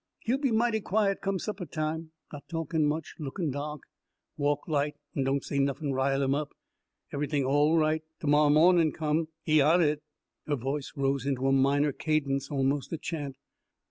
"He'll be mighty quiet come suppeh time, not talkin' much, lookin' dahk. Walk light, an' don't say nuffin' rile him up, eve'ything all right. T' morrow mawnin' come, he's outer it." Her voice rose into a minor cadence, almost a chant.